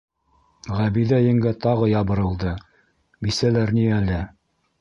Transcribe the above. Ғәбиҙә еңгә тағы ябырылды: - Бисәләр ни әле?